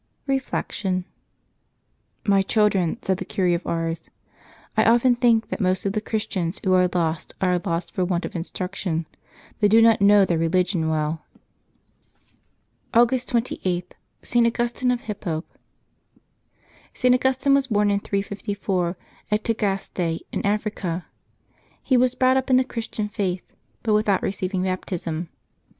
'' Reflection. —" My children," said the Cure of Ars, '' I often think that most of the Christians who are lost are lost for want of instruction; they do not know ^heir re ligion well." 296 LIVES OF THE SAINTS [August 29 August 28, ST. AUGUSTINE OF HIPPO. @T. Augustine was born in 354, at Tagaste in Africa. He was brought "up in the Christian faith, but with out receiving baptism.